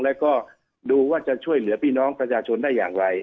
แล้วก็ดูว่าจะช่วยเหลือพี่น้องประชาชนได้อย่างไร